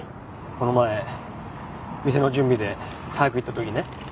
この前店の準備で早く行った時ね